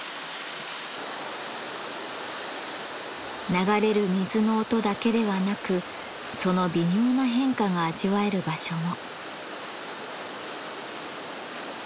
流れる水の音だけではなくその微妙な変化が味わえる場所も。